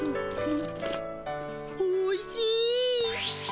おいしい。